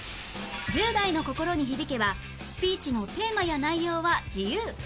１０代の心に響けばスピーチのテーマや内容は自由